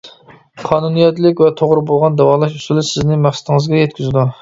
قانۇنىيەتلىك ۋە توغرا بولغان داۋالاش ئۇسۇلى سىزنى مەقسىتىڭىزگە يەتكۈزىدۇ.